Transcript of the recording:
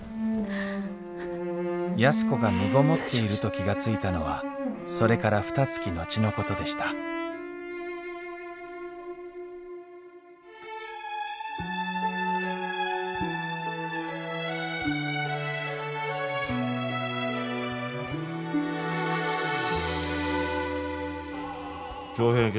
安子がみごもっていると気が付いたのはそれからふたつき後のことでした徴兵検査はいつなら？